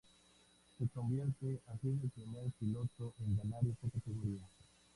Se convierte así en el primer piloto en ganar esta categoría.